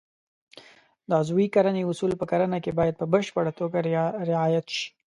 د عضوي کرنې اصول په کرنه کې باید په بشپړه توګه رعایت شي.